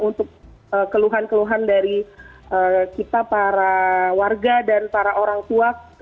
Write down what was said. untuk keluhan keluhan dari kita para warga dan para orang tua